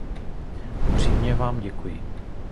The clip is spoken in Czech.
Upřímně vám děkuji.